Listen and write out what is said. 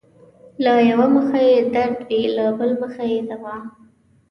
له يؤه مخه يې درد وي له بل مخه يې دوا